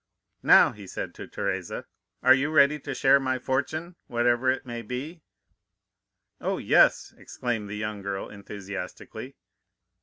"'Now,' he said to Teresa, 'are you ready to share my fortune, whatever it may be?' "'Oh, yes!' exclaimed the young girl enthusiastically.